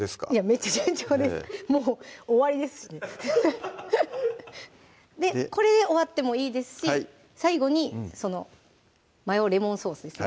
めっちゃ順調ですもう終わりですしねでこれで終わってもいいですし最後にそのマヨレモンソースですね